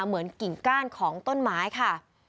เหมือนกิ่งก้านของต้นไม้ค่ะ